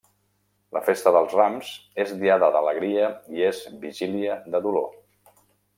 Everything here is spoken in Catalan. -La festa dels Rams és diada d'alegria i és vigília de dolor.